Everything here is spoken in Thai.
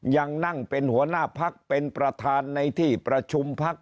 ยังนั่งเป็นหัวหน้าพักเป็นประธานในที่ประชุมพัก